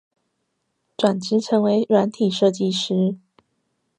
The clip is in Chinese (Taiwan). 轉職成為軟體設計師